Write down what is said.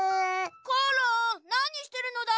コロンなにしてるのだ？